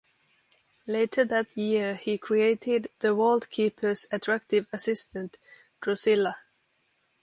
Later that year, he created the Vault Keeper's attractive assistant, Drusilla.